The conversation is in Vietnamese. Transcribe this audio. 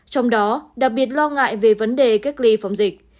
trong đó đặc biệt lo ngại về vấn đề cách ly phòng dịch